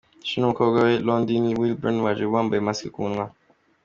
Future n'umukobwa we Londyn Wilburn baje bambaye masike ku munwa.